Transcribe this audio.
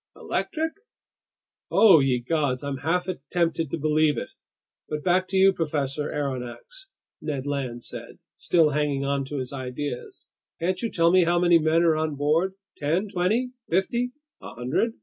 "Electric?" "Oh ye gods, I'm half tempted to believe it! But back to you, Professor Aronnax," Ned Land said, still hanging on to his ideas. "Can't you tell me how many men are on board? Ten, twenty, fifty, a hundred?"